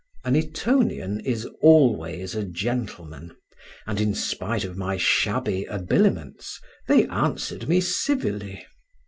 An Etonian is always a gentleman; and, in spite of my shabby habiliments, they answered me civilly.